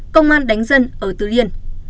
công an đánh dân ở tứ liên